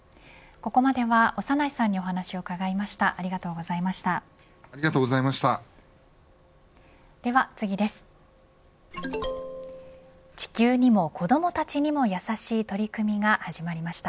ここまでは長内さんにお話を伺いました。